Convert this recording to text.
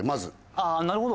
ああなるほど。